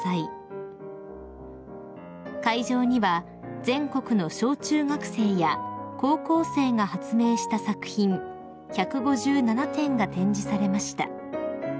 ［会場には全国の小中学生や高校生が発明した作品１５７点が展示されました］